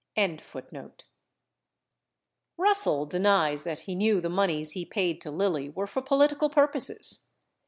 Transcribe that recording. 30 Russell denies that he knew the moneys he paid to Lilly were for political purposes.